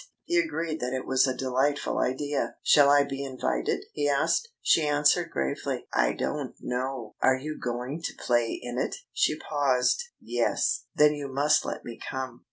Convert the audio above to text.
He agreed that it was a delightful idea. "Shall I be invited?" he asked. She answered gravely: "I don't know." "Are you going to play in it?" She paused.... "Yes." "Then you must let me come.